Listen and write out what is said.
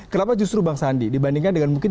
kenapa justru bang sandi dibandingkan dengan mungkin